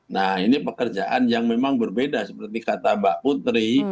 nah ini pekerjaan yang memang berbeda seperti kata mbak putri